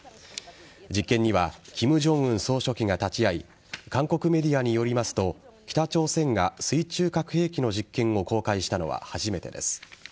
実験には金正恩総書記が立ち会い韓国メディアによりますと北朝鮮が水中核兵器の実験を公開したのは初めてです。